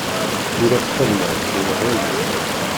Ula txedmeḍ tura dagi.